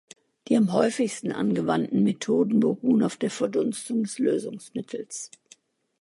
Die am häufigsten angewandten Methoden beruhen auf der Verdunstung des Lösungsmittels.